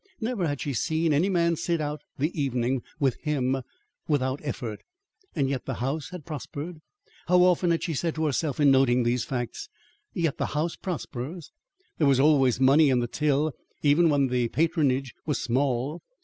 Never had she seen any man sit out the evening with him without effort. Yet the house had prospered. How often had she said to herself, in noting these facts: "Yet the house prospers!" There was always money in the till even when the patronage was small.